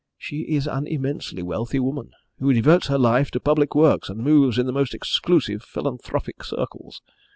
She is an immensely wealthy woman, who devotes her life to public works, and moves in the most exclusive philanthropic circles.